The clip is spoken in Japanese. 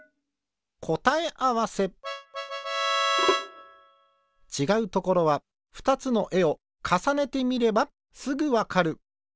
こたえあわせちがうところはふたつのえをかさねてみればすぐわかる。